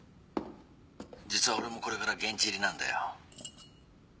実は俺もこれから現地入りなんだよ。